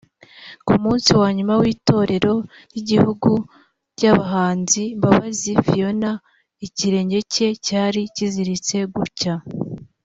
Ku munsi wa nyuma w'itorero ry'igihugu ry'abahanzi Mbabazi Phionah ikirenge cye cyari kiziritse gutya